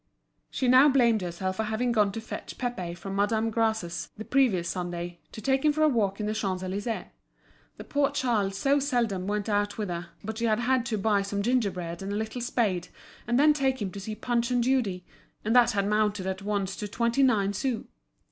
She now blamed herself for having gone to fetch Pépé from Madame Gras's, the previous Sunday, to take him for a walk in the Champs Elysees. The poor child so seldom went out with her! But she had had to buy some gingerbread and a little spade, and then take him to see Punch and Judy, and that had mounted at once to twenty nine sous.